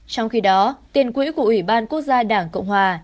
trong khi đó tiền quỹ của ủy ban quốc gia đảng cộng hòa